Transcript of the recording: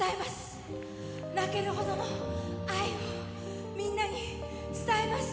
泣けるほどの愛をみんなに伝えます。